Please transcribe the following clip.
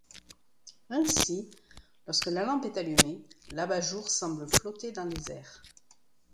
Ainsi, lorsque la lampe est allumée, l'abat-jour semble flotter dans les airs.